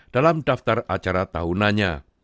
dalam daftar acara tahunannya